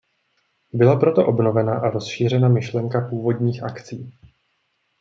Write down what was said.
Byla proto obnovena a rozšířena myšlenka původních akcí.